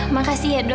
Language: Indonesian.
makasih ya dok